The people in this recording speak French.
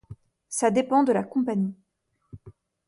Ça dépend de la Compagnie.